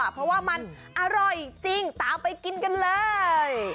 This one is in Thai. เพราะว่ามันอร่อยจริงตามไปกินกันเลย